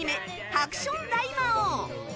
「ハクション大魔王」。